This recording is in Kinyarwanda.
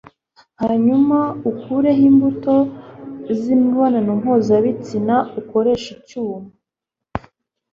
hanyuma ukureho imbuto zimibonano mpuzabitsina ukoresheje icyuma